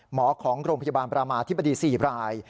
ของโรงพยาบาลประมาธิบดี๔ราย